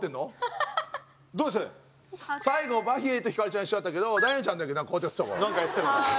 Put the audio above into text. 最後バヒエとヒカルちゃんは一緒だったけどダヨンちゃんだけなんかこうやってやってたから。